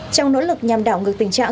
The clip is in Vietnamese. trong nỗ lực nhằm đảo ngược tình trạng